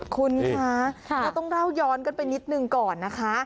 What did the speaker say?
คุณคะเราต้องเล่าย้อนกันไปนิดนึงก่อนนะคะ